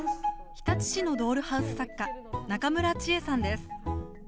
日立市のドールハウス作家中村智恵さんです。